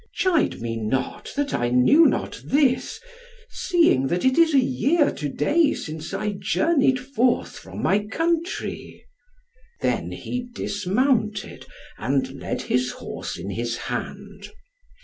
"Chide me not, that I knew not this, seeing that it is a year to day since I journeyed forth from my country." Then he dismounted, and led his horse in his hand.